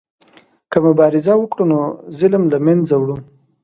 که مبارزه وکړو نو ظلم له منځه وړو.